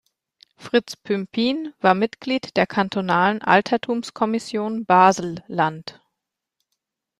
Fritz Pümpin war Mitglied der kantonalen Altertumskommission Baselland.